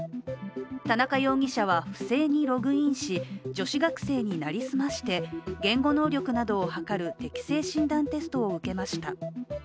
田中容疑者は不正にログインし女子学生に成り済まして言語能力などをはかる適性診断テストを受けました。